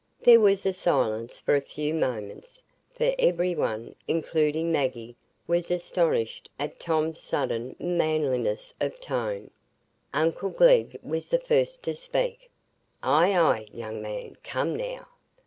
There was silence for a few moments, for every one, including Maggie, was astonished at Tom's sudden manliness of tone. Uncle Glegg was the first to speak. "Ay, ay, young man, come now!